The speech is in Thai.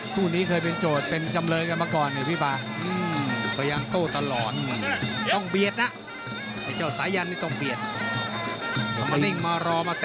คู่นี้เคยเป็นโจทย์เป็นจำเลยกันมาก่อนเนี่ยพี่ป่า